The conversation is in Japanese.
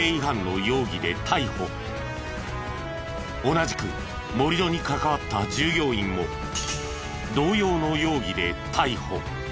同じく盛り土に関わった従業員も同様の容疑で逮捕。